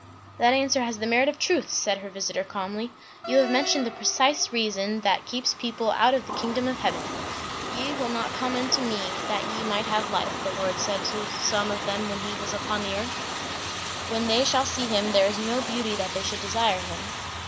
"That answer has the merit of truth," said her visiter calmly. "You have mentioned the precise reason that keeps people out of the kingdom of heaven. 'Ye will not come unto me, that ye might have life,' the Lord said to some of them when he was upon earth. 'When they shall see him, there is no beauty that they should desire him.'"